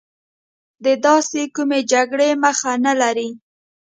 ساینس د داسې کومې جګړې مخه نه لري.